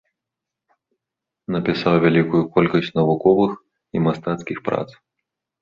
Напісаў вялікую колькасць навуковых і мастацкіх прац.